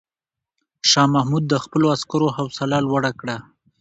شاه محمود د خپلو عسکرو حوصله لوړه کړه.